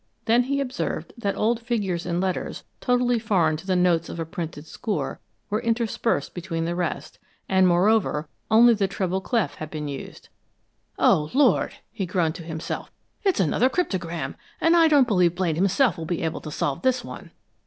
Then he observed that old figures and letters, totally foreign to the notes of a printed score, were interspersed between the rest, and moreover only the treble clef had been used. "Oh, Lord!" he groaned to himself. "It's another cryptogram, and I don't believe Blaine himself will be able to solve this one!"